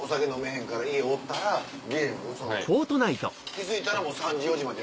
気付いたら３時４時まで？